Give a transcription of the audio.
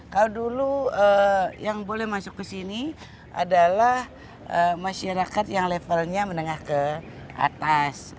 kalau dulu yang boleh masuk ke sini adalah masyarakat yang levelnya menengah ke atas